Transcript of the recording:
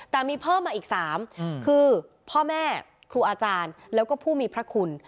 แต่มีเพิ่มมาอีก๓คือพ่อแม่ครูอาจารย์แล้วก็ผู้มีพระคุณ